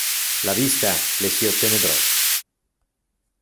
La vista le si ottenebrò.